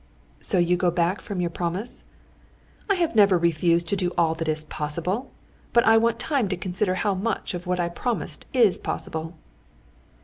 "So you go back from your promise?" "I have never refused to do all that is possible, but I want time to consider how much of what I promised is possible."